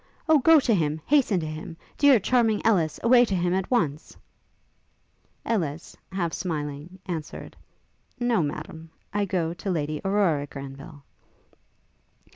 O go to him! hasten to him! dear, charming Ellis, away to him at once! ' Ellis, half smiling, answered, 'No, Madam; I go to Lady Aurora Granville.'